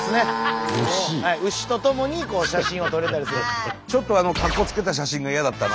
牛とともに写真を撮れたりする。